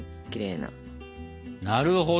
なるほど。